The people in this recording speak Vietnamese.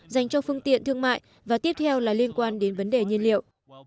dành cho phương tiện thương mại và tiếp theo là liên quan đến vấn đề nhiên liệu